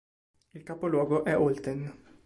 Il capoluogo è Olten.